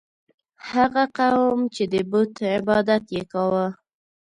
هغه قوم چې د بت عبادت یې کاوه.